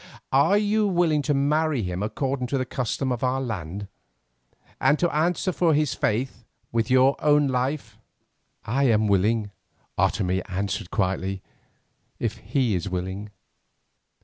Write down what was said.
Are you willing to marry him according to the custom of our land, and to answer for his faith with your own life?" "I am willing," Otomie answered quietly, "if he is willing."